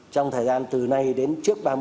trong thời gian từ nay đến trước